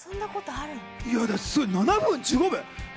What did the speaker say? ７分１５秒。